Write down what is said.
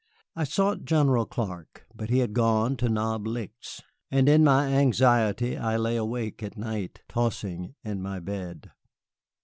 I sought General Clark, but he had gone to Knob Licks, and in my anxiety I lay awake at night, tossing in my bed.